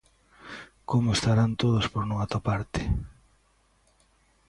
¡Como estarán todos por non atoparte!